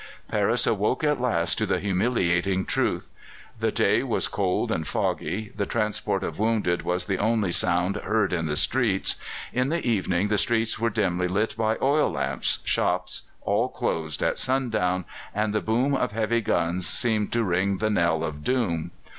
Paris awoke at last to the humiliating truth. The day was cold and foggy; the transport of wounded was the only sound heard in the streets; in the evening the streets were dimly lit by oil lamps, shops all closed at sundown, and the boom of heavy guns seemed to ring the knell of doom.